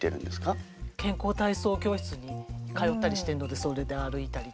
健康体操教室に通ったりしてるのでそれで歩いたりとか。